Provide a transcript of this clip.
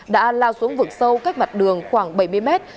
đã lao xuống vực sâu cách mặt đường khoảng bảy mươi mét